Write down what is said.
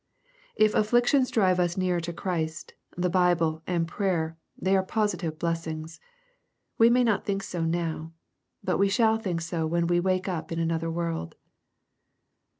If afflictions drive us nearer to Christ, the Bible, and prayer, they are positive blessings. We may not think so now. But we shall think so when wo wake up in another world.